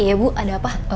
iya bu ada apa